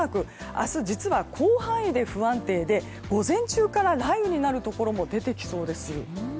明日、実は広範囲で不安定で午前中から雷雨になるところも出てきそうです。